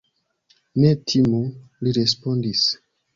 Ne timu, li respondis.